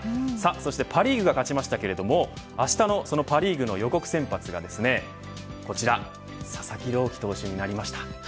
そしてパ・リーグが勝ちましたがあしたのパ・リーグの予告先発がですね、こちら佐々木朗希投手になりました。